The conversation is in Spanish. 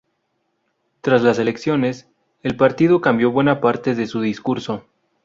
Tras las elecciones, el partido cambió buena parte de su discurso.